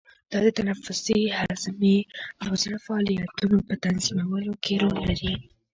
دا د تنفسي، هضمي او زړه فعالیتونو په تنظیمولو کې رول لري.